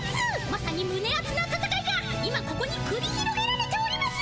まさにむねあつなたたかいが今ここにくり広げられております！